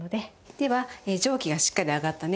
では蒸気がしっかり上がったね